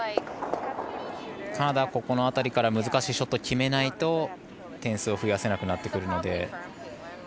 カナダはここの辺りから難しいショットを決めないと点数を増やせなくなってくるので。